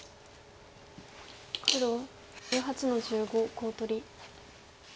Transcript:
黒１８の十五コウ取り。